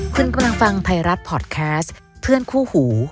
คุณกำลังฟังไทยรัฐพอร์ตแคสต์เพื่อนคู่หู